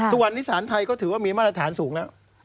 ทุกวันนี้สารไทยก็ถือว่ามีมาตรฐานสูงแล้ว